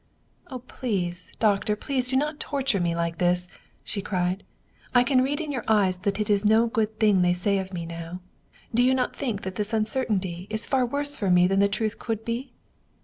" Oh, please, doctor please do not torture me like this," she cried. " I can read in your eyes that it is no good thing they say of me now. Do you not think that this un certainty is far worse for me than the truth could be